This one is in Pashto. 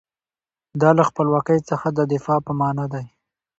دا له خپلواکۍ څخه د دفاع په معنی دی.